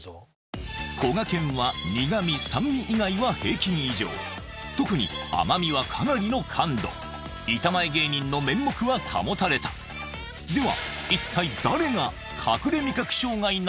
苦味酸味以外は平均以上特に甘味はかなりの感度板前芸人の面目は保たれたではマジ誰？